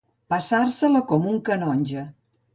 Passar-se-la com un canonge.